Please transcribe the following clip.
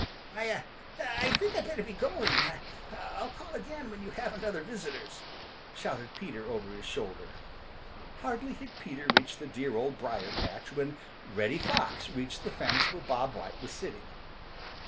"I I think I'd better be going; I'll call again when you haven't other visitors," shouted Peter over his shoulder. Hardly had Peter reached the dear Old Briar patch when Reddy Fox reached the fence where Bob White was sitting.